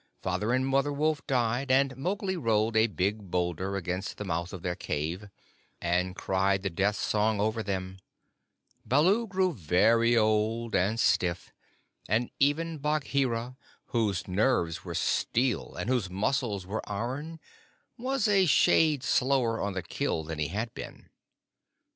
Father and Mother Wolf died, and Mowgli rolled a big boulder against the mouth of their cave, and cried the Death Song over them; Baloo grew very old and stiff, and even Bagheera, whose nerves were steel, and whose muscles were iron, was a shade slower on the kill than he had been.